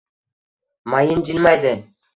Mayin jilmaydi…